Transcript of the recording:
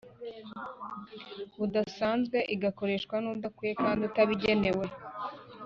budasanzwe, igakoreshwa n'udakwiye kandi utabigenewe,